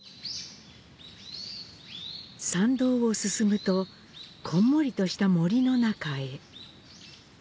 参道を進むとこんもりとした森の中へ。